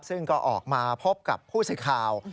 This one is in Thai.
ซึ่งก็ออกมาพบกับผู้สื่อข่าว